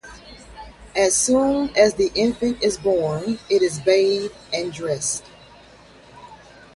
As soon as the infant is born it is bathed and dressed.